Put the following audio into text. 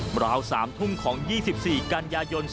เบลา๓ทุ่งของ๒๔กันยายน๒๕๓๓